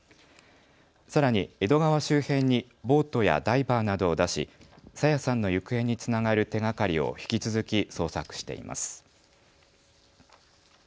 さらに江戸川周辺にボートやダイバーなどを出し、朝芽さんの行方につながる手がかりを引き続き捜索しています。